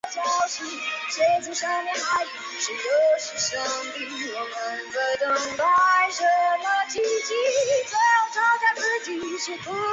山地烟管蜗牛为烟管蜗牛科台湾纺锤烟管蜗牛属下的一个种。